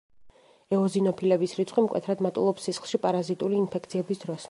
ეოზინოფილების რიცხვი მკვეთრად მატულობს სისხლში პარაზიტული ინფექციების დროს.